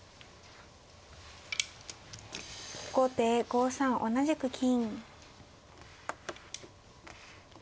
後手５三同じく金。